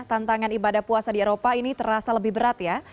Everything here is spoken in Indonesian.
tantangan ibadah puasa di eropa ini terasa lebih berat ya